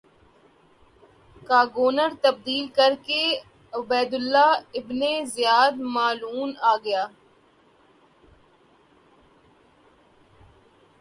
کا گورنر تبدیل کرکے عبیداللہ ابن زیاد ملعون آگیا اس